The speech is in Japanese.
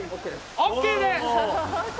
ＯＫです。